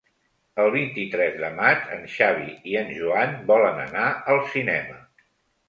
El vint-i-tres de maig en Xavi i en Joan volen anar al cinema.